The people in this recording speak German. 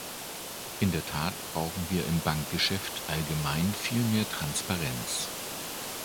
In der Tat brauchen wir im Bankgeschäft allgemein viel mehr Transparenz.